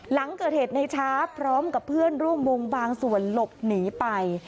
หลังเกิดเหตุในช้าพร้อมกับเพื่อนร่วมวงบางส่วนหลบหนีไป